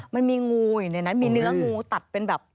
มันมีงูอยู่ในนั้นมีเนื้องูตัดเป็นแบบ